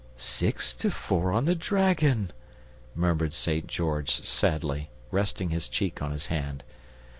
"Six to four on the dragon!" murmured St. George sadly, resting his cheek on his hand.